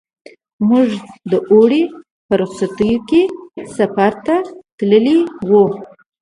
موږ د اوړي په رخصتیو کې سفر ته تللي وو.